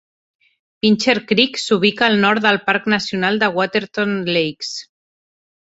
Pincher Creek s'ubica al nord del parc nacional de Waterton Lakes.